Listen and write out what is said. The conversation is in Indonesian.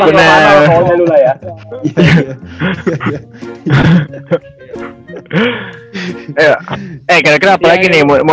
penang urusan mato hal apaan dulu lah ya